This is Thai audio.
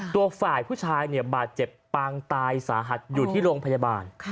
ตัวฝ่ายผู้ชายบาดเจ็บปางตายสาหัสอยู่ที่โรงพยาบาล